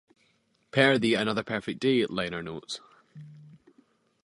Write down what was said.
Per the "Another Perfect Day" liner notes.